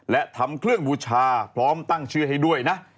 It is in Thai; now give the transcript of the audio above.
และทำเครื่องบูชาพร้อมตั้งชื่อให้ด้วยนะ